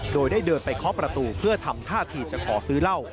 โดยได้เดินไปเคาะประตูเพื่อทำท่าทีจะขอซื้อเหล้า